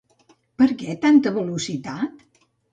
Per què tanta velocitat?